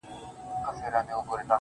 o اې د قوتي زلفو مېرمني در نه ځمه سهار.